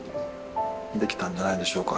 できたんじゃないんでしょうか。